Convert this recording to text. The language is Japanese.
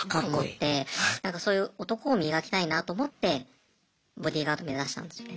なんかそういう男を磨きたいなと思ってボディーガード目指したんですよね。